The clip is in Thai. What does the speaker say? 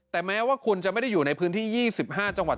แต่แม้ว่าคุณจะไม่ได้อยู่ในพื้นที่๒๕จังหวัด